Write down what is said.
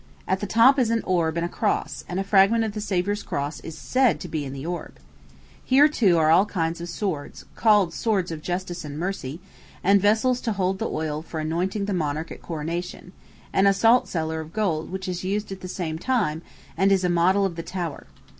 At the top is an orb and cross, and a fragment of the Savior's cross is said to be in the orb. Here, too, are all kinds of swords called swords of justice and mercy and vessels to hold the oil for anointing the monarch at coronation, and a saltcellar of gold which is used at the same time, and is a model of the Tower.